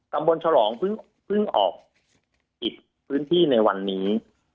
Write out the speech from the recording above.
ตำบลฉลองเพิ่งออกปิดพื้นที่ในวันนี้